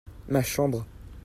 ma chambre.